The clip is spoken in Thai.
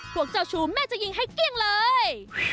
พวกเจ้าชูแม่จะยิงให้เกลี้ยงเลย